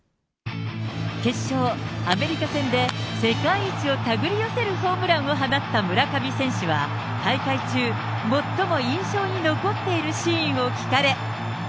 決勝、アメリカ戦で世界一をたぐり寄せるホームランを放った村上選手は、大会中、最も印象に残っているシーンを聞かれ。